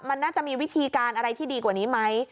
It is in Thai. มันน่าจะมีวิธีการอะไรที่ดีกว่านี้ไหม